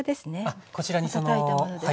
あっこちらにそのはい。